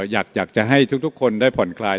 อยากจะให้ทุกคนได้ผ่อนคลาย